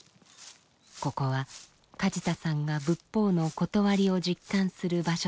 ここは梶田さんが仏法の理を実感する場所だと言います。